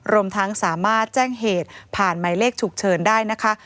รวมทั้งสามารถแจ้งเหตุผ่านหมายเลขฉุกเฉินได้นะคะ